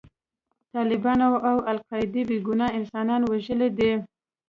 طالبانو او القاعده بې ګناه انسانان وژلي دي.